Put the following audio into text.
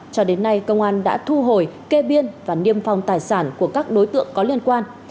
cho đến nay công an đã thu hồi kê biên và niêm phong tài sản của các đối tượng có liên quan